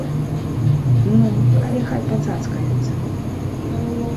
Ну, але хай пацацкаюцца!